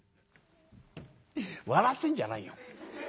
「笑ってんじゃないよ。